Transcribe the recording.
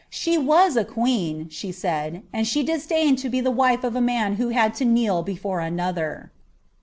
" She was a ifuwiii' she aaidi ^ and she disdained to be the wife of a man who had lo kneel before another."